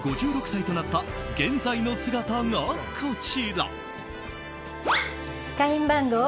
５６歳となった現在の姿がこちら。